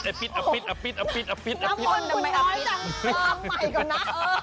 น้ำมนคุณน้อยจังลองใหม่ก่อนนะ